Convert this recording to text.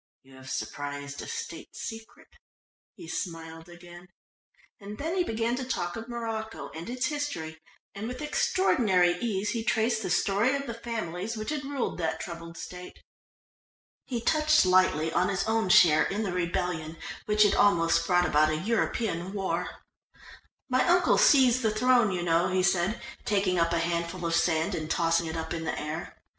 You have surprised a State secret," he smiled again. And then he began to talk of Morocco and its history, and with extraordinary ease he traced the story of the families which had ruled that troubled State. He touched lightly on his own share in the rebellion which had almost brought about a European war. "My uncle seized the throne, you know," he said, taking up a handful of sand and tossing it up in the air.